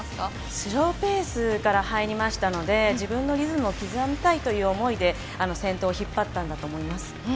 スローペースから入りましたので、自分のレースを刻みたいという形で先頭を引っ張ったんだと思いま